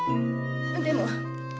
でも。